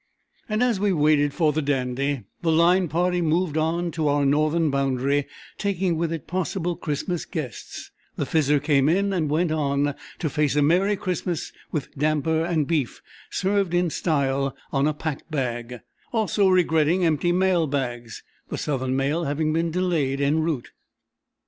And as we waited for the Dandy, the Line Party moved on to our northern boundary, taking with it possible Christmas guests; the Fizzer came in and went on, to face a "merry Christmas with damper and beef served in style on a pack bag," also regretting empty mail bags—the Southern mail having been delayed en route.